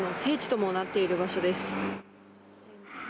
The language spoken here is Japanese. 統一教会の聖地ともなっている場所です。